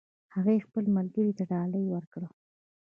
هغې خپل ملګري ته ډالۍ ورکړه